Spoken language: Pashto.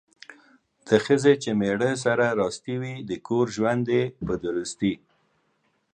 د ښځې چې میړه سره راستي وي ،د کور ژوند یې په درستي